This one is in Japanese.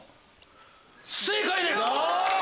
正解です！